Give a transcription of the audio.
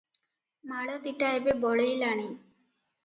ମାଳତୀଟା ଏବେ ବଳେଇଲାଣି ।